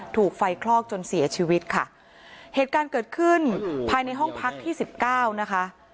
ถูกไฟคลอกจนเสียชีวิตค่ะเหตุการณ์เกิดขึ้นภายในห้องพักที่สิบเก้านะคะ